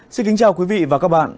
xin kính chào quý vị và các bạn